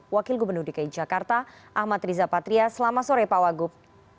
wakil gubernur dki jakarta ahmad riza patria selamat sore pak wagub